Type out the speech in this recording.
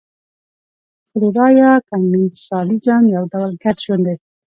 فلورا یا کمېنسالیزم یو ډول ګډ ژوند دی.